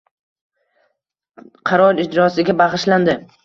Qaror ijrosiga bag‘ishlandi